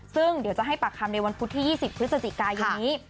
ซึ่งเดี๋ยวจะให้ปากคำในวันพุธที่๒๐พฤศจิกายนนี้